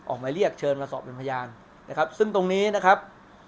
ออกมาเรียกเชิญมาสอบเป็นพยานนะครับซึ่งตรงนี้นะครับ